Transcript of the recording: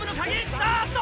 あっと！